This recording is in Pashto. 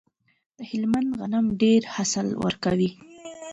د هلمند غنم ډیر حاصل ورکوي.